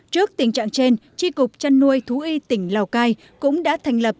trước tình trạng trên tri cục trăn nuôi thú y tỉnh lào cai cũng đã thành lập